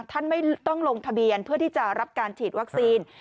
ท่านไม่ต้องลงทะเบียนเพื่อที่จะรับการฉีดวัคซีน